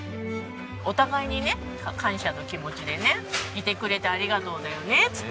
お互いにね感謝の気持ちでねいてくれてありがとうだよねっつってね。